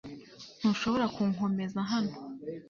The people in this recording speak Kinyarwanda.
Ntushobora kunkomeza hano .